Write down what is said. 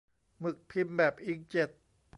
หมึกพิมพ์แบบอิงก์เจ็ต